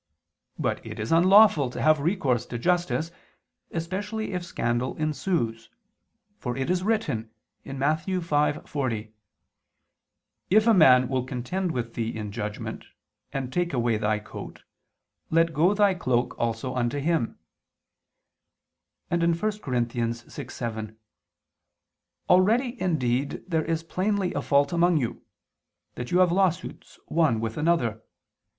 But it is unlawful to have recourse to justice, especially if scandal ensues: for it is written (Matt. 5:40): "If a man will contend with thee in judgment, and take away thy coat, let go thy cloak also unto him"; and (1 Cor. 6:7): "Already indeed there is plainly a fault among you, that you have lawsuits one with another.